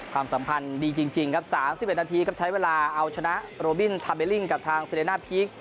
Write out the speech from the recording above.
สัมพันธ์ดีจริงครับ๓๑นาทีครับใช้เวลาเอาชนะโรบินทาเบลลิ่งกับทางเซเดน่าพีค